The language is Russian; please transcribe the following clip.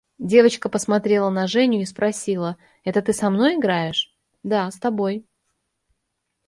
Девочка посмотрела на Женю и спросила: – Это ты со мной играешь? – Да, с тобой.